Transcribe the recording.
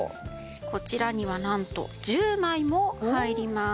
こちらにはなんと１０枚も入ります。